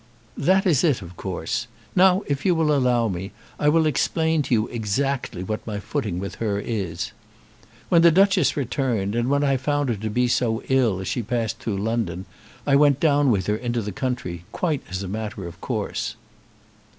"That is it, of course. Now, if you will allow me, I will explain to you exactly what my footing with her is. When the Duchess returned, and when I found her to be so ill as she passed through London, I went down with her into the country, quite as a matter of course."